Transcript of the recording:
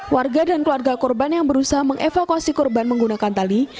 warga dan keluarga korban yang berusaha mengevakuasi korban menggunakan tali